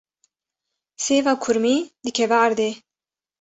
Sêva kurmî dikeve erdê.